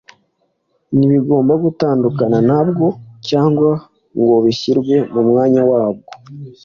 ntibigomba gutandukana na bwo, cyangwa ngo bishyirwe mu mwanya wabwo